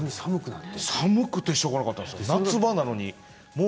寒くてしょうがなかったんです。